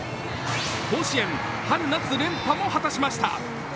甲子園春夏連覇も果たしました。